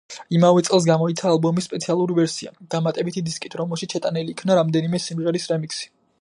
იმავე წელს გამოიცა ალბომის სპეციალური ვერსია, დამატებითი დისკით, რომელშიც შეტანილი იქნა რამდენიმე სიმღერის რემიქსი.